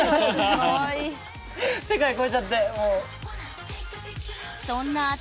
世界超えちゃってもう。